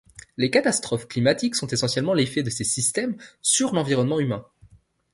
Les catastrophes climatiques sont essentiellement l'effet de ces systèmes sur l'environnement humain.